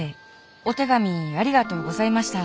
お手紙ありがとうございました。